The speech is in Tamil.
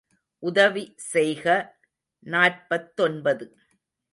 உதவி செய்க நாற்பத்தொன்பது.